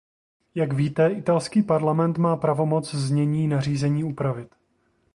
Jak víte, italský parlament má pravomoc znění nařízení upravit.